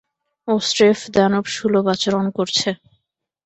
ও স্রেফ দানবসুলভ আচরণ করছে।